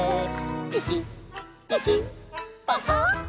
「ピキピキパカ！」